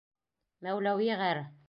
Мәүләүи ғәр.